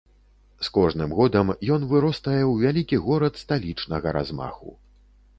З кожным годам ён выростае ў вялікі горад сталічнага размаху.